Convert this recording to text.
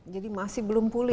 jadi masih belum pulih ya